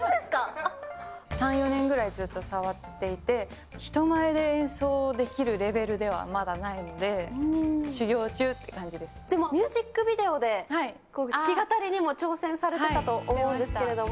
３、４年ぐらいずっと触っていて、人前で演奏できるレベルではまだないので、でも、ミュージックビデオで、弾き語りにも挑戦されてたと思うんですけど。